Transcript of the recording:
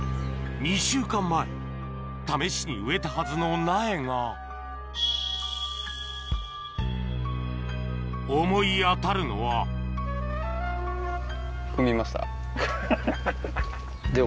２週間前試しに植えたはずの苗が思い当たるのはハハハ。